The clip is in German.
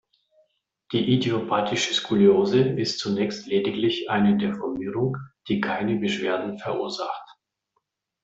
Die idiopathische Skoliose ist zunächst lediglich eine Deformierung, die keine Beschwerden verursacht.